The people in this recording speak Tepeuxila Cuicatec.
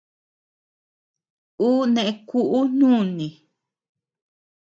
Ú neʼe kuʼu nùni.